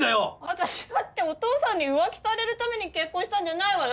私だってお父さんに浮気されるために結婚したんじゃないわよ。